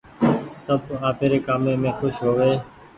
سب آپيري ڪآمي مين کوش هووي۔